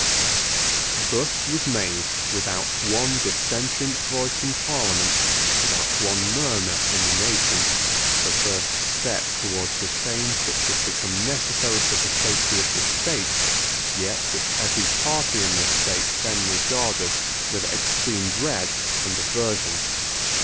Thus was made, without one dissentient voice in Parliament, without one murmur in the nation, the first step towards a change which had become necessary to the safety of the state, yet which every party in the state then regarded with extreme dread and aversion.